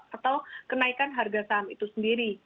atau kenaikan harga saham itu sendiri